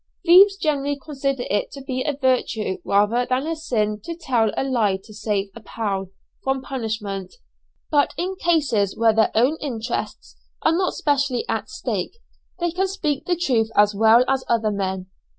Thieves generally consider it to be a virtue rather than a sin to tell a lie to save a 'pal' from punishment, but in cases where their own interests are not specially at stake, they can speak the truth as well as other men.